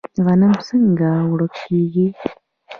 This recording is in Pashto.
غنم څنګه اوړه کیږي؟